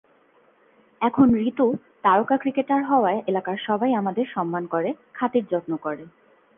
এখন রিতু তারকা ক্রিকেটার হওয়ায় এলাকার সবাই আমাদের সম্মান করে, খাতির-যত্ন করে।